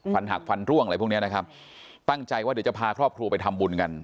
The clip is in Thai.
หักฟันร่วงอะไรพวกเนี้ยนะครับตั้งใจว่าเดี๋ยวจะพาครอบครัวไปทำบุญกัน